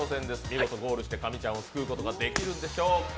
見事ゴールして神ちゃんを救うことができるんでしょうか。